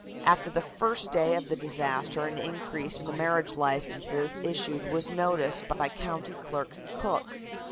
After the first day of the disaster an increase in the marriage licenses issued was noticed by County Clerk Cook.